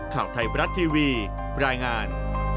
ข่าวไทยบรัฐทีวีรายงาน